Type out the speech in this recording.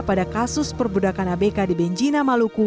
pada kasus perbudakan abk di benjina maluku